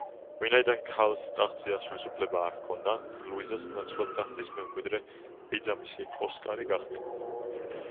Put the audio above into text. ვინაიდან ქალს ტახტზე ასვლის უფლება არ ჰქონდა, ლუიზას ნაცვლად ტახტის მემკვიდრე ბიძამისი, ოსკარი გახდა.